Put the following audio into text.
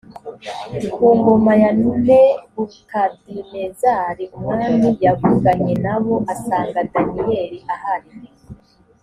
ku ngoma ya nebukadinezari umwami yavuganye na bo asanga daniyeli ahari